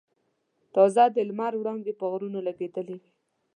تازه د لمر وړانګې پر غرونو لګېدلې وې.